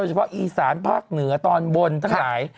เฉพาะอีสานภาคเหนือตอนบนทั้งหลาย